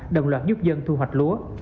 đồng loạt giúp dân thu hoạch lúa